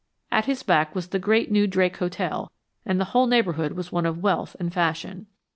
At his back was the great new Drake Hotel and the whole neighborhood was one of wealth and fashion.